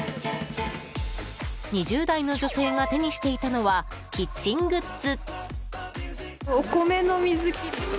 ２０代の女性が手にしていたのはキッチングッズ。